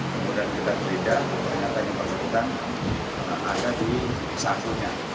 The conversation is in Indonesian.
kemudian kita terlidak ternyata yang tersebut ada di sasunya